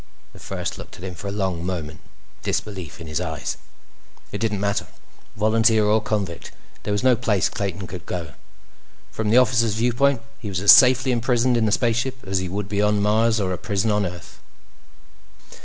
The First looked at him for a long moment, disbelief in his eyes. It didn't matter. Volunteer or convict, there was no place Clayton could go. From the officer's viewpoint, he was as safely imprisoned in the spaceship as he would be on Mars or a prison on Earth.